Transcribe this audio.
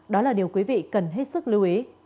đó là điều quý vị cần hết sức lưu ý